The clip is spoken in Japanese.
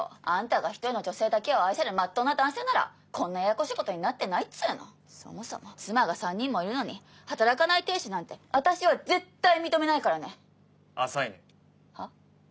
あんたが１人の女性だけを愛せるまっとうな男性ならこんなややこしいことになってないっつうのそもそも妻が３人もいるのに働かない亭主なんてあたしは絶対認めないからね浅いねはっ？